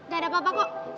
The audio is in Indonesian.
gak ada apa apa kok